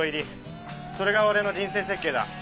それが俺の人生設計だ。